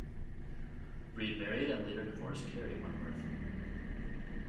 Breed married and later divorced Carrie Wentworth.